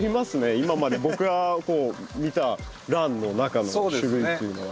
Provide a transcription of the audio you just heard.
今まで僕がこう見たランの中の種類というのは。